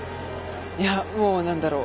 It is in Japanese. いやもう何だろう。